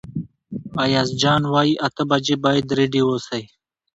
ایاز جان وايي اته بجې باید رېډي اوسئ.